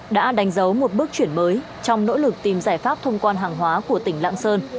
đã đánh dấu một bước chuyển mới trong nỗ lực tìm giải pháp thông quan hàng hóa của tỉnh lạng sơn